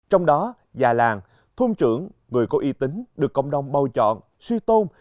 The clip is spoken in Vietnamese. trong đó già làng thôn trưởng người có y tính được cộng đồng bầu chọn suy tôn